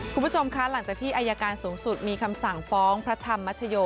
คุณผู้ชมคะหลังจากที่อายการสูงสุดมีคำสั่งฟ้องพระธรรมมัชโย